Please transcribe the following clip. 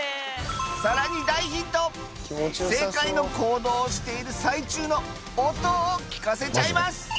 さらに大ヒント正解の行動をしている最中の音を聞かせちゃいます